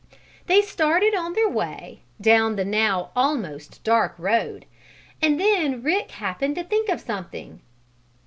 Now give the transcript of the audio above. They started on their way, down the now almost dark road, and then Rick happened to think of something.